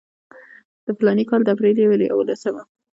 د فلاني کال د اپریل پر یوولسمه.